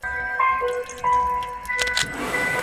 که هند ته مالونه لاړ شي ګټه به وکړو.